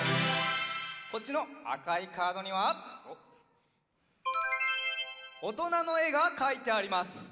こっちのあかいカードにはおっおとなのえがかいてあります。